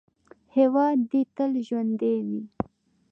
هیواد دې تل ژوندی وي.